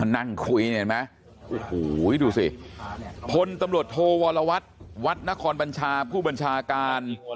นั่งคุยเนี่ยเห็นไหมโอ้โหดูสิพลตำรวจโทวรวัตรวัดนครบัญชาผู้บัญชาการ